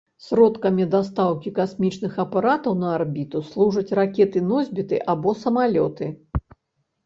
Сродкамі дастаўкі касмічных апаратаў на арбіту служаць ракеты-носьбіты або самалёты.